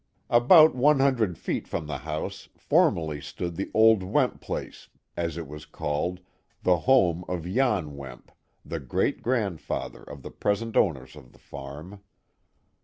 About one hundred feet from the house formerly stood the old Wemp place, as it was called, the home of Jan Wemp, the great grandfather of the present owners of the farm.